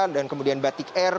dan kemudian batik air